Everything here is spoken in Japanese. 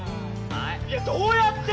いやどうやって？